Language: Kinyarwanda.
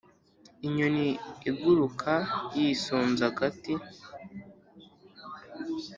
Inyoni iguruka yisunze agati.